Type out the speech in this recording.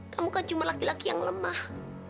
kamu kan cuma laki laki yang lemah